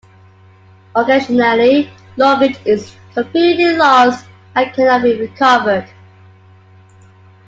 Occasionally luggage is completely lost and cannot be recovered.